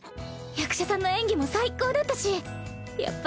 役者さんの演技も最高だったしやっぱ